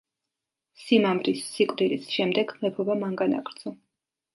სიმამრის სიკვდილის შემდეგ მეფობა მან განაგრძო.